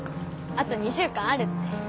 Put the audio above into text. あと２週間あるって。